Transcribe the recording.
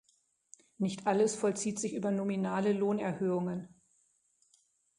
Nicht alles vollzieht sich über nominale Lohnerhöhungen.